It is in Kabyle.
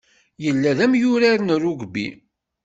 Yella d amyurar n rugby.